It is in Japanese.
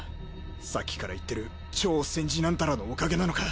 さっきから言ってる超・占事なんたらのおかげなのか？